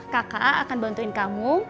kakak akan bantuin kamu